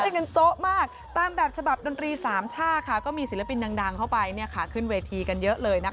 กันโจ๊ะมากตามแบบฉบับดนตรีสามชาติก็มีศิลปินดังเข้าไปขึ้นเวทีกันเยอะเลยนะคะ